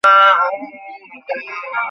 নিজের দিকে তাকিয়েছিস?